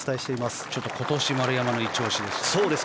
今年、丸山のいち押しですね。